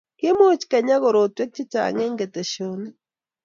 Kimuch kenyaa korotwek che chng engketeshonik